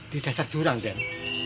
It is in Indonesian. di dasar surang den